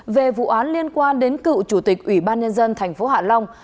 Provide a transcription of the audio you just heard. về vụ án liên quan đến cựu chủ tịch ủy ban nhân dân tp hạ long